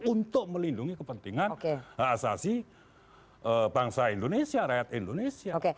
untuk melindungi kepentingan asasi bangsa indonesia rakyat indonesia